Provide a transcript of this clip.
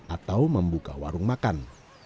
atau membuka warung makan